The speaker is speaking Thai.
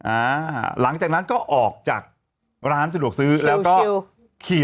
อ่าหลังจากนั้นก็ออกจากร้านสะดวกซื้อแล้วก็ขี่